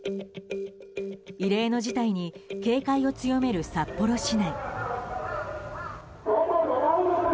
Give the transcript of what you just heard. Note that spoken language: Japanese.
異例の事態に警戒を強める札幌市内。